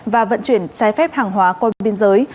và vận chuyển trái phép hàng hóa qua biên giới